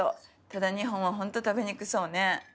ただ２本はほんと食べにくそうね。